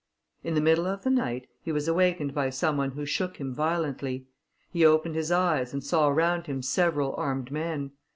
In the middle of the night, he was awakened by some one who shook him violently. He opened his eyes, and saw around him several armed men.